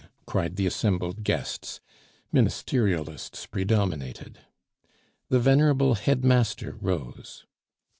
cried the assembled guests (ministerialists predominated). The venerable headmaster rose.